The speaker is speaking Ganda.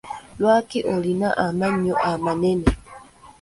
Lwaki olina amannyo amanene?